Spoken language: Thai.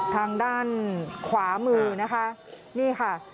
ทางด้านขวามือนะคะนี่ค่ะ